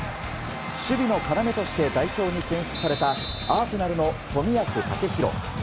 守備のかなめとして代表に選出されたアーセナルの冨安健洋。